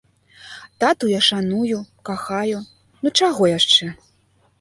Тату я шаную, кахаю, ну чаго яшчэ?